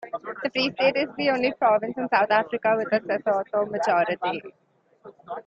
The Free State is the only province in South Africa with a Sesotho majority.